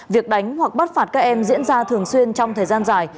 việc đánh hoặc bắt phạt các em diễn ra thường xuyên trong thời gian dài